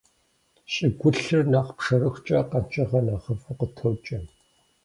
ЩӀыгулъыр нэхъ пшэрыхукӀэ къэкӀыгъэр нэхъыфӀу къытокӀэ.